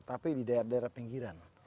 tapi di daerah daerah pinggiran